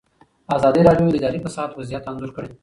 ازادي راډیو د اداري فساد وضعیت انځور کړی.